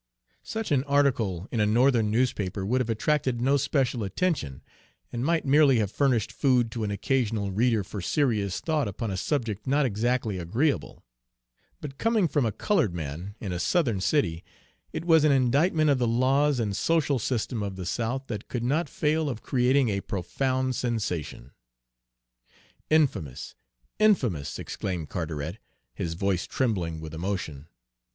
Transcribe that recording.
Such an article in a Northern newspaper would have attracted no special attention, and might merely have furnished food to an occasional reader for serious thought upon a subject not exactly agreeable; but coming from a colored man, in a Southern city, it was an indictment of the laws and social system of the South that could not fail of creating a profound sensation. "Infamous infamous!" exclaimed Carteret, his voice trembling with emotion.